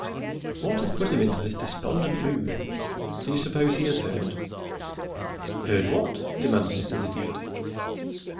What has put him in this despondent mood? Do you suppose he has heard?" "Heard what?" demanded Mrs. Idiot.